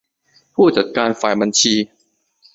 ผู้จัดการฝ่ายบัญชี